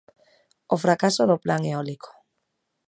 O fracaso do Plan eólico.